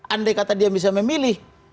andai kata dia bisa memilih